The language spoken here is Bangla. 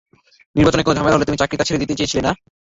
নির্বাচনে কোনো ঝামেলা হলে তুমি চাকরিটা ছেড়ে দিতে চেয়েছিলে না?